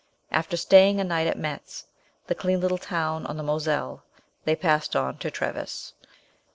After staying a night at Metz, the clean little town on the Moselle, they passed on to Treves.